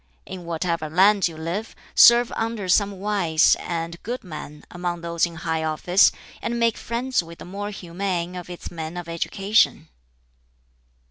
In whatever land you live, serve under some wise and good man among those in high office, and make friends with the more humane of its men of education."